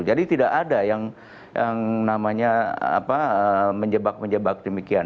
jadi tidak ada yang menjebak menjebak demikian